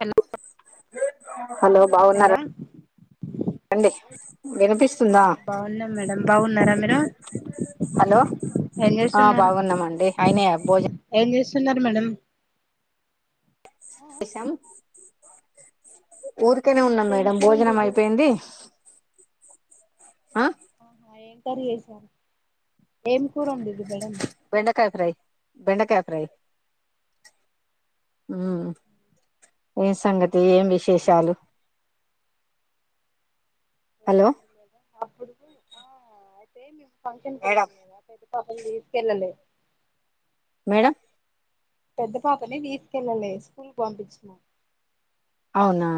Hello hello hello బాగున్నారండి వినిపిస్ ఆ బాగున్నాం మేడం బాగున్నారా మేడం హలో ఆ బాగున్నామండి అయినయ భోజన్ తిన్నారా మేడం ఏసాం ఊరికనే ఉన్నాం ఏం మేడం కూర భోజనం వండిర్రు అయిపోయింది ఆ ఆహా ఏం కర్రీ చేసారు ఏం కూర వండీరు మేడమ్ బెండకాయ ఫ్రై బెండకాయ ఫ్రై ఉ ఏం సంగతి ఏం విశేషాలు హలో ఏముంది ఏమి లేద అప్పుడు ఆ అయితే ఏమి ఫంక్షన్ కి మేడం వెళ్దాం కదా [unintelligible] పాపని తీసుకెళ్లాలే మేడం పెద్ద పాపనే తీసుకెళ్ళలే స్కూల్ పంపించినమ్ అవునా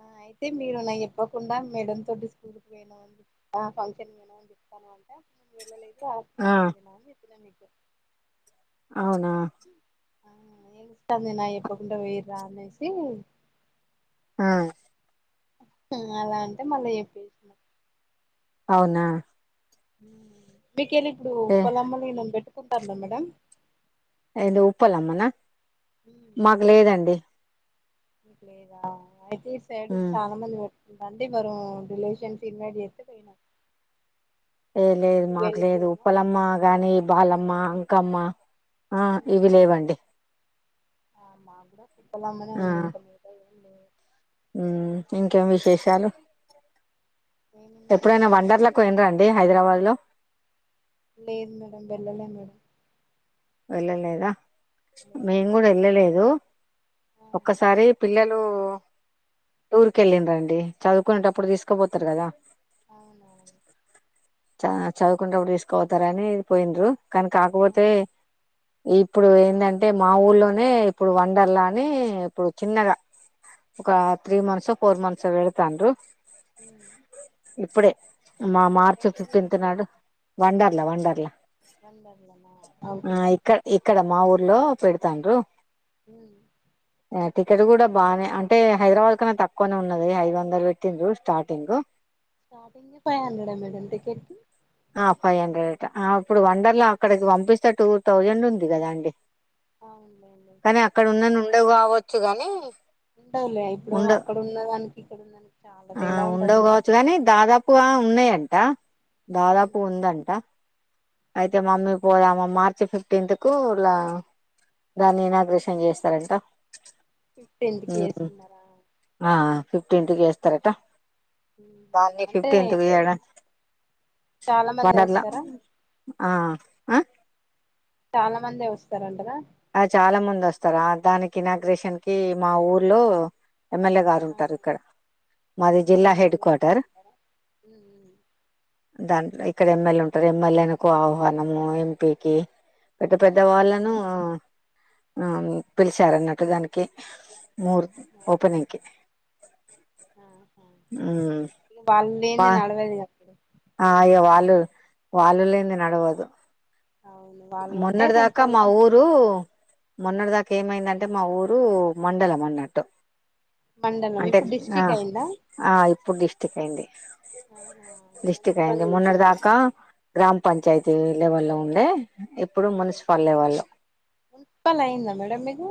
ఆ అయితే మీరు నేను చెప్పకుండా మేడం తో వద్దు స్కూల్ కి పోయిన్నాం అని చెప్పితే అ ఫంక్షన్ కి అని చెప్పాను అంటే వెళ్ళలేదు ఇగ ఆ హస్పిటల్ కేలిన అని చెప్పినా నీకు అవునా ఆ ఎంది స్పందనా చెప్పకుండా పోయ్రా అనేసి ఆ అలా అంటే మళ్ళా చెప్పేసిన అవునా హమ్ మీకెళ్ళి ఇప్పుడు ఏ పొలం పనులు కెళ్ళే వాళ్ళు బెట్ కుంటామ మేడం అయిందో ఉప్పలమ్మనా మాకు లేదండి మీకు లేదా అయితే ఈటు సైడ్ ఉమ్ చాలా మంది పె తండ్రీ బరం రిలేషన్స్ షిప్ ఏర్పాటు చేస్త పోయినాం ఏం లేదు మాకు ట్వెల్వ్ లేదు కేమో ఉప్పలమ్మ గాని బాలమ్మ అంకామ్మా ఆ ఇవి లేవండి ఆమ్మ కూడా [unintelligible] [unintelligible] ఆ అమ్ ఇంకేం విశేషాలు ఏముంది ఎప్పుడైనా మేడం వండర్లకు బొడ్రాయి పోయినరాండి హైదరాబాద్ లో లేదు మేడం వెళ్ళలే మేడం వెళ్ళలేదా లేదు మేము కూడా లేదు వెళ్ళలేదు ఆ ఒక్కసారి పిల్లలు టూర్ కి వెళ్ళింది అండి చదువుకునేటప్పుడు తీసుకుపోతారు కదా అవునవును చ చదువుకుంటప్పుడు తీసుకోతారు అని పోయిండురు కానీ ఆ కాకపోతే ఇప్పుడు ఏంటంటే మా ఊర్లోనే ఇప్పుడు వండర్లా అని ఇప్పుడు చిన్నగా ఒక త్రీ మంత్స్ ఫోర్ మంత్స్ వెళ్ళతాండురు ఉమ్ ఇప్పుడే మా మార్చ్ ఏంటిది ఫిఫ్టీన్త్ నాడు వంన్డార్ లవండర్లా వండర్లా నా ఆహ్ ఇక్కడ ఇక్కడ మా ఊర్ లో పెడతాన్డ్రూ. ఉహ్ టికెట్ కూడా బానే. అంటే హైదరాబాద్ కన్నా తక్కువనే ఉన్నది. ఐదు వందలు పెట్టిండ్రూ స్టార్టింగ్ స్టార్టింగే ఫై హండ్రెడ్ మేడం. టికెట్ ఆహ్ ఇప్పుడు వండర్లా ఆ అక్కడికి పంపిస్త్ స్తే టూ థౌజండ్ ఉంది కదా అండి. ఆహ్ ఉండాయి లెండి. డవ్ కావచ్చు గాని ఉంటవులే. ఇప్పుడు ఉండ అక్కడ ఉన్నదానికి ఇక్కడ ఉన్నానికి చాలా ఆ తేడా ఉంటదిగద. డా దాదాపు ఉందంటా. అయితే మమ్మీ పోదామా. మార్చి ఫిఫ్టీన్త్ కు ఇలా దాన్ని ఇనాగ్రేషన్ చేస్తారంట. ఫిఫ్టెన్త్ కి ఉమ్ ఏసుకున్నారా? ఆ ఫిఫ్టీన్త్ కేస్తారటా. బావుంది అంటే ఫిఫ్టీన్త్ ది గాద చాలా మందే వస్తారా? ఆహ్ ఆ! చాలా మందే వస్తారంటగా. ఆ చాలా మంది వస్తారు. దానికి నాగ్రేషన్ కి మా ఊర్లో ఎమ్మెల్యే గారు ఉంటారు. ఇక్కడ మాది జిల్లా ఎమ్మెల్యేని హెడ్ ఇన్వైట్ కోర్టర్ చేస్తున్నారా దాన్ ఇక్కడ ఎమ్మెల్యే ఉంటాది. ఎమ్మెల్యేకు ఆహ్వానము ఎంపీకి, పెద్ద పెద్ద వాళ్ళను ఆహ్ నము పిలిచారన్నట్టు. దానికి మూర్ ఆ ఓపెనింగ్ కి ఆహ్ హా ఉమ్ ఇగా వాలేంది. వా నడవది గాధ అప్పుడు ఆ అయ్యో వాళ్ళు. వాళ్ళు లేంది నడవదు అవును వాళ్ళు ఉంటే మోన్నడ్దాక కొంచెం మా సప్ ఊరు మొన్నటి దాకా ఏమైందంటే. మా ఊరు మండలం మన్నట్టు మండలం అంటే ఇప్పుడు ఆ డిస్టిక్ అయిందా ఆ ఇప్పుడు డిస్టిక్ అయింది. ఆహా డిస్టిక్ మున్సిపల్ అయింది మోన్నటి చేసిర్రు దాకా గ్రామ పంచాయతీ లెవెల్లో ఉండే ఇప్పుడు మున్సిపల్ లెవెల్లో మున్సిపల్ అయిందా మేడమ్ మీది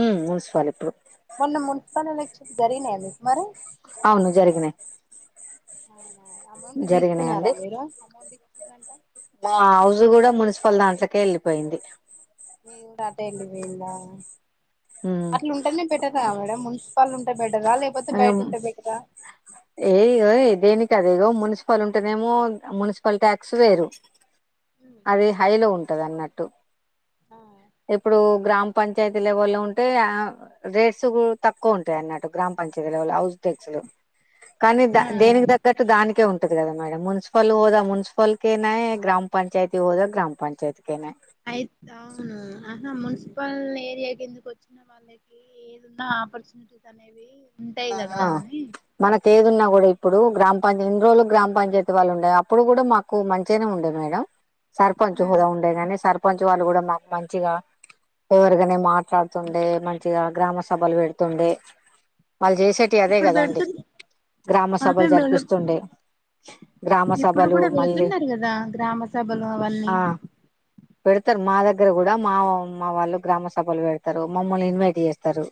ఉమ్ మున్సిపల్ ఇప్పుడు మొన్న మున్సిపల్ ఎల జరిగినయ మీకు మరే అవును జరిగినయ్ అవునా అమౌంట్ తీసుకున్నారా మీరు అమౌంట్ ఇ చ్చిరంట మా హౌజ్ కూడా మున్సిపల్ దాంట్లకే ఎళ్ళిపోయింది మీది ఉమ్ అట్లుంటేనే బెటరా మేడం మున్సిపల్ ఉంటే బెటరా లేకపోతే బయట ఉమ్ ఉంటే బెటరా అదేదో మున్సిపల్ ఉంటేనేమో మున్సిపల్ ట్యాక్స్ వేరు అది హైలో ఉం ట్టదన్నట్టు ఆ ఇప్పుడు గ్రామ్ పంచాయతి లేవల్ లో ఉన్ టే రేట్స్ ఆ తక్కువ ఉంటాయి అన్నట్టు గ్రామ పంచాయతీ లెవల్ హౌస్ డెక్స్లు కానీ ద ఆ దేనికి తగ్గట్టు దానికే ఉం ఉంటది కదా మేడం మున్సిపల్ హోదా మున్సిపల్ కేనాయె గ్రామ పంచయతీ హోదా గ్రామ్ పంచాయతి కేనాయే అయిత్ ఆ అహ మున్సిపల్ ఏరియా కిందుకు వచ్చిన వాళ్ళకి ఏదున్నా ఆపర్చునిటీస్ అనేవి ఉంటాయి ఆ కదా ఆ అని మన కెదున్న కూడా ఇప్ ఇప్పుడు గ్రామ పంచయత్ ఎన్ని రోజులు గ్రామ పంచాయతి వాళ్ళు ఉండే అప్పుడు కూడా మాకు మంచిగానే ఉండే మేడం సర్పంచ్ ఉమ్, హోదా ఉండే ననే సర్పంచ్ వాళ్ళు కూడా మాకు మంచిగా ఫెవరగానే మాట్లాడుతుండే మంచిగా గ్రామ సభలు పెడుతుండే వాళ్ళు చేసేటివి అదే ఇప్పుడు కదాండి పెడుతు గ్రామ అదే సభలు మేడం జరిపిస్తుండే గ్రామ ఇప్పుడు సభలు కూడా మళ్ళీ పెడుతున్నారు కదా గ్రామ సభలు అవన్నీ ఆ పెడతారు మాద దగ్గర కూడా మా మా వాళ్ళు గ్రామ సభలు పెడతారు మమ్మల్ని ఇన్వైట్ చేస్తారు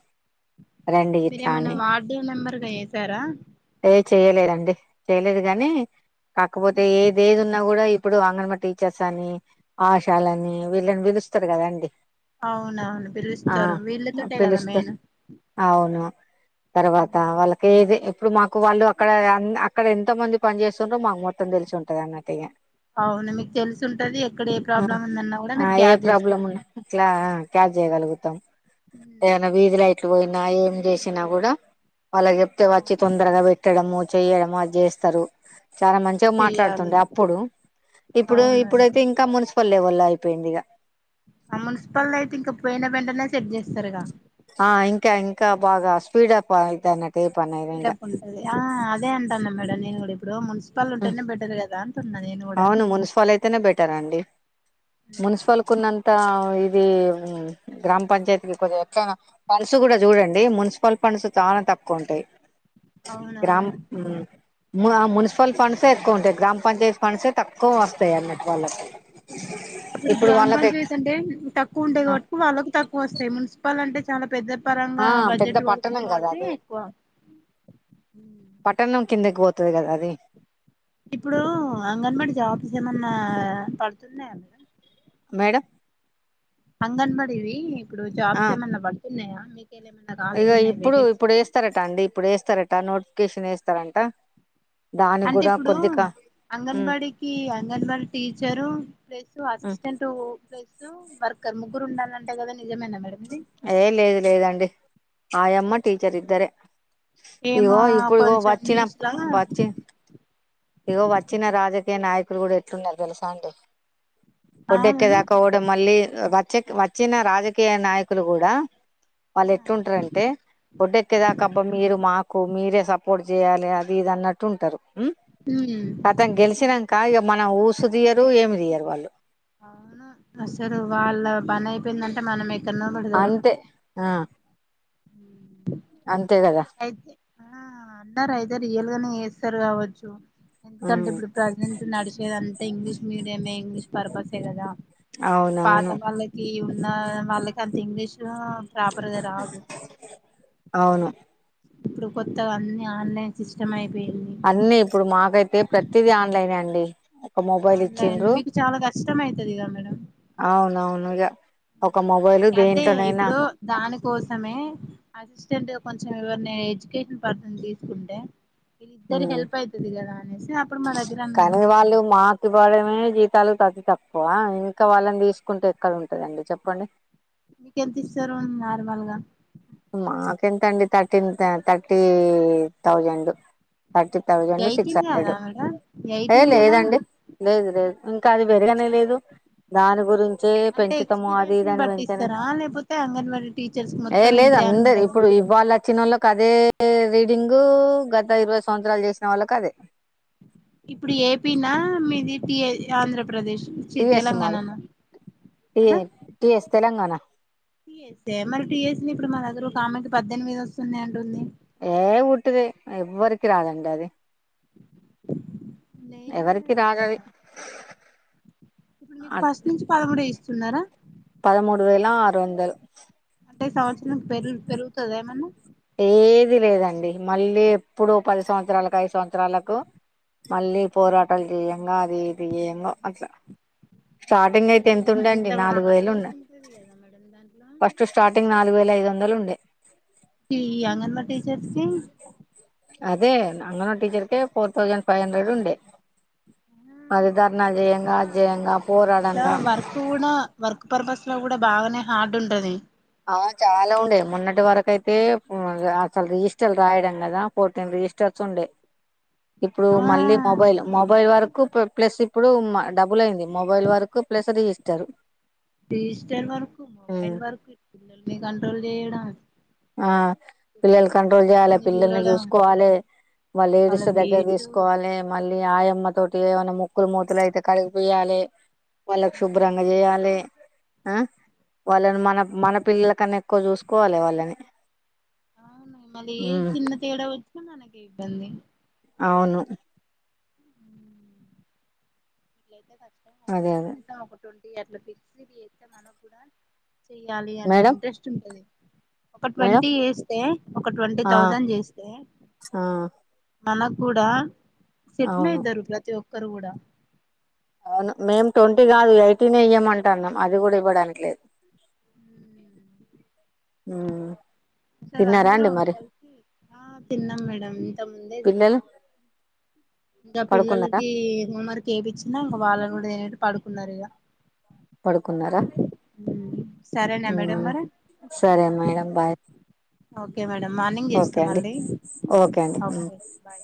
రే మీరు ఏమన్నా వార్డు మెంబర్గా ఎసారా చేయ్యలేదు గాని కాకపోతే ఏది ఏది ఉన్నా కూడా ఇప్పుడు అంగన్వడి టీచర్స్ అని ఆశాలని వీళ్ళని పిలుస్తారు కదాండి అవునా పిలుస్తారు వీళ్ళతోటే కదా పిలుస్తారు మేన్ అవును తర్వాత వాళ్ళకే ఇదే ఇప్పుడు మాకు వాళ్ళు అక్కడ అక్కడ ఎంత మంది పని చేేస్తుంరో మాకు మొత్తం తెలిసి ఉంటది అన్నట్టిగా అవును మీకు తెలుసుంటది ఎక్కడ ఏ ప్రాబ్లమ్ ఉందన్నా కూడా ఆ మీరు ఏ క్యాచ్ ప్రాబ్లం చేస్తారు ఉన్నా ఇట్లా క్యాచ్ చేయగలుగుతాం ఏవన్న వీధి లైట్ ట్లు పోయిన ఏం చేస్ చ్చినా గూడ వాళ్ళక్ చెప్తే వచ్చి తొందరగా పెట్టడము, చెయడము అది చేస్తారు. చాలా మంచిగా చెయ్యాలి మాట్లాడుతుండే అప్పుడు. ఇప్పుడు అవును మేడం ఇప్పుడైతే ఇంకా మున్సిపల్ లేవల్. లా అయిపోయింది. ఇగ, ఆ మున్సిపల్ అయితే ఇంకా పోయిన వెంటనే సెట్ చేస్తరుగా. ఆ ఇంకా ఇంకా బాగా స్పీడ్ అప్ అయితానట్. స్పీడ్ అప్ ఉంటది. ఆ అదే అంటాన మేడం నేను గూడ ఇప్. ప్పుడు మున్స్. పల్లుంటేనే బెటర్ గదా. అవును మున్సిపల్ అయితేనే బెట్ట్. టరండి. మున్సిపల్కున్నంత. ఇ ఇది మ్ గ్రామ్ పంచాయతీ కి కొదిగా ఎట్టైన ఫండ్స్ కూడా చూడండి. మున్సిపల్ ఫండ్స్ చాలా తక్కువ ఉంటయి. గ్రామ్ అవునవును ము ఆ మున్సిపల్ ఫండ్స్యే ఎక్కువ ఉంటయ్. గ్రామ పంచాయత్. ఫండ్సే తక్కువ వస్తాయి అన్నట్టు వాళ్ళకి. ఇప్పుడు గ్రామ పంచయతి అంటే తక్కువ ఉండే ఆ గాబట్టి వాళ్ళకు తక్కువ వస్తయ్. మున్సిపల్ అంటే చాలా పెద్ద. ఆ పరంగా పెద్ద బడ్జెట్ పడితై పట్టణం కదా గాబట్టి అది బాన్ కిందక్ గోత్తరు గదా అది. ఇప్పుడూ అంగన్వాడి జాబ్స్ ఏమన్నా పడుతున్నాయా మేడం. మేడం అంగన్వాడి వి ఇప్పుడు జాబ్స్ ఏమన్న పడుతున్నయా. ఇగో ఇప్పుడు ఇప్పుడు వేస్తారట అండి. ఇప్పుడు వేస్తారట్. ట నోటిఫికేషన్ వేస్తరంట. అంటే ఇప్పుడు ఉమ్ అంగన్వాడికి అంగన్వాడి టీచరు ప్లస్సు ఉమ్ అసిస్టెంట్ ప్లేస్ లో వర్కర్ ముగ్గురుండాలంట కదండ్. ఏ లేదు లేదండి ఆయమ్మ టీచర్ ఇద్దరే. ఏమో ఇగో ఇప్పుడు ఇగో కొంచెం వచ్చినం న్యూస్ లా వచ్చి. ఇగో వచ్చిన రాజు. ఇగ నాయకులు గూడా ఎట్లుండాలో తెలుసా అండి. ఆ వొడ్డెక్కే మేడం దాక్ ఓడ మళ్ళి. వ్ వచ్చెక్ వచ్చిన రాజకీయ నాయకులు గూడా. వల్లెట్రుంట్రంటే ఓడ్డేక్కేదాకా అబ్బ మీరు మాక్. కు మీరే సపోర్ట్ చేయ్యాలె అది ఇది అన్నట్టు ఉంటారు ఉమ్ కతం గెల్సినంకా ఇగ మన ఊసు తియ్యరు ఏమి తీయ్యరు వాళ్ళు అవును అసలు వాళ్ళ పని అయిపోయిందంటే మనం ఎ అంతే ఆ అంతే కదా అయితే ఆ అందరయితే రియల్ గానే చేస్తారు కావచ్చు ఎందుకంటే ఇప్పుడు ప్రజెంట్ నడిచేది అంత ఇంగ్లీష్ మీడియమే ఇంగ్లీష్ పర్పసే కదా పాత అవునవును వాళ్ళకి న్న వాళ్ళ కాంత ఇంగ్లీష్ ర్గా ప్రాపర్ఘ రాదు అవును ఇప్పుడు కొత్తగా అన్ని ఆన్లైన్ సిస్టమ్ అయి అన్నీ ఇప్పుడు మాకైతే ప్రతిదీ ఆన్లైనే అండి ఒక మొబైల్ ఆన్లైన్ ఇచ్చిండ్రు మీకు చాలా కష్టం అయితది కదా మేడం అవునవును ఇగ అదే ఇప్పుడు దానికోసమే అసిస్టెంట్ గా కొం ం ఎవరిని ఎడ్యుకేషన్ పర్సన్ తీసుకుంటే విల్లిద్దరి ఉమ్, హెల్ప్ అయితది కదా అని మెస్ కానీ వాళ్ళు మాకు ఇవ్వడమే జీతాలు కష్టం త ఆ ఇంకా వాళ్ళని తీసుకుంటే ఎక్కడ ఉంటదండి చెప్పండి మీకేంతిస్తారు నార్మల్గా మాకెంతండి thirteen thirty thousand thirty thousand six eighteen కదా హండ్రెడ్ మేడం ఏ ఎయిటీన్ కదా లేదండి లేదు లేదు ఇంకా అది పెరుగనే లేదు దాని గురిం అంటే ఎక్స్పీరియన్స్ పట్టిస్తారా లేకపోతే అంగన్వాడీ టీచర్స్ ఏ మొత్తం లేదు ఇంతే అని అందరు ఉంటదా ఇప్పుడు ఇవ్వలోచ్చినోళ్లకు అదే దే రీడింగు గత ఇరవై సంవత్సరాలు చేసిన వాళ్ళకు అదే ఇప్పుడు ఏపీనా మీది టీ ఆంధ్రప్రదేశ్ చి టీ ఎస్ మది తెలంగాణనా టీ టీ ఎస్ తెలంగాణ టీఎస్ే మరి టీఎస్ది ఇప్పుడు మా దగ్గర ఒకమెకి పద్దెనిమిది వస్తున్నయి అంటుంది ఏ ఊట్టిదే ఎవ్వరకి రాదండి అది లే ఎవరికి రాదది ఇప్పుడు మీకు ఫస్ట్ నుంచి పదమూడుే ఇస్తాంది సున్నారా పదమూడు వేలలా ఆరు వందలు అంటే ఈ సంవత్సరం పెరుగు పెరుగుతుంద ఏమన్నా ఏది లేదండి మళ్ళీ ఎప్పుడుూ పది సంవత్సరాలకు ఐదు సంవత్సరాలకు మళ్ళీ పోరాటాలు చేయంగా అది తీయయంగా అట్లా స్టార్టింగ్ అయ్యో అయితే ఎంతత్ ఉండండి అంత నాలుగు హార్డ్ వేలున్నా వర్క్ ఉంటది కదా మేడం దాంట్లో ఫస్ట్ స్టార్టింగ్ నాలుగు వేల ఐదు వంద నండలుండే ఈ అంగమా టీచర్స్కి అదే అంగన టీచర్కి ఫోర్ తౌసండ్ ఫైవ్ హండ్రెడ్ ఉండే ఆ అది ధర్నా జయంగా అ ఆహా జయంగా పోరాడంగా ఇట్ లో కూడా బాగానే హార్డ్ ఉంటది ఆ చాలా ఉండే మొన్నటి వరకు అయితే అసలు రిజిస్టర్లు రాయడం కదా ఫోర్టీన్ రిజిస్టర్స్ ఉండే ఇప్పుడు ఆ మళ్ళీ మొబైల్ మొబైల్ వరకు ప్లస్ ఇప్పుడు డబుల్ అయింది మొబైల్ వరకు ప్లస్ రి ఇస్తారు డిజిటల్ వర్క్ మొబైల్ వర్క్ ల్ కంట్రోల్ చేయడం ఆ పిల్లలు ప్రెగ్నెన్సీ కంట్రోల్ చేయాలి వాళ్ళని పిల్లల్ని చూడడం చూసుకోవాలి మళ్ వాళ్ళ లేడీస్ దగ్గర వెయిట్ తీసుకోవాలి మళ్ళీ ఆయమ్మ తోటి ఏమైనా మొక్కులు మూతలు అయితే కడిగిపోయాలి వాళ్ళకి ఆ శుభ్రంగా చేయాలి వాళ్ళని మన మన పిల్లల కన్నా ఎక్కువ చూసుకోవాలి వాళ్ళని అవును మళ్ళీ ఏ ఉమ్ చిన్న తేడా వచ్చ నానే ఇబ్బంది అవును అయితే అదే అదే కనీస ఒక అట్ల ఫిస్ ఏంత మన కూడాడా చెయ్యాలి అన్న మేడం ఇంట్రెస్ట్ ఉంటది ఒక మేడం ట్వంటీ చేస్తే ఒక ట్వంటీ ఆ థౌజండ్ చేస్తే ఆ మన కూడా అవును సిట్నేద్దారు ప్రతి ఒక్క కరుగుడ మేం ట్వంటీ కాదు ఎయిటీన్ ఇయ్యమంట అన్నాం అది కూడా ఇవ్వడానికి లేదు ఆ అసలు అందరూ కలిసి తిన్నాం మేడం ఇంత ముందే తిన్నాం పిల్లలు ఇంకా పడుకున్నారా పిల్లలకి ఇకా మరకి ఏపిచ్చినా ఇంకా వాళ్ళని అ పాడుకున్నారురగా పడుకున్నారా సరేనా మేడం మరి సరే madam bye okay madam morning okay చేస్తా అండి మళ్ళీ ఓకే అండి ఓకే బాయ్